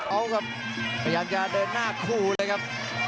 เอาครับพยายามจะเดินหน้าคู่เลยครับ